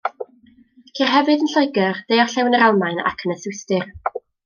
Ceir hefyd yn Lloegr, de-orllewin yr Almaen ac yn y Swistir.